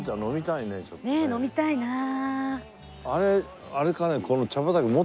ねえ飲みたいなあ。